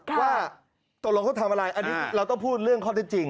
ว่าตกลงเขาทำอะไรอันนี้เราต้องพูดเรื่องข้อที่จริง